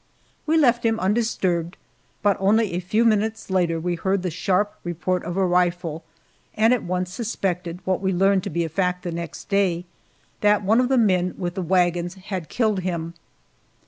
We left him undisturbed, but only a few minutes later we heard the sharp report of a rifle, and at once suspected, what we learned to be a fact the next day, that one of the men with the wagons had killed him.